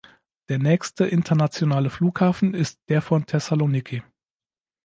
Der nächste internationale Flughafen ist der von Thessaloniki.